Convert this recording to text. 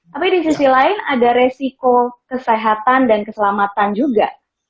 tapi di sisi lain ada resiko kesehatan dan keselamatan juga